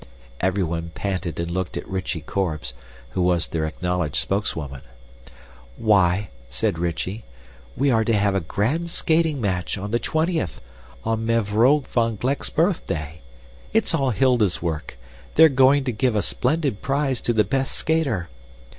Everyone panted and looked at Rychie Korbes, who was their acknowledged spokeswoman. "Why," said Rychie, "we are to have a grand skating match on the twentieth, on Mevrouw van Gleck's birthday. It's all Hilda's work. They are going to give a splendid prize to the best skater."